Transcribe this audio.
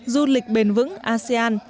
du lịch bền vững asean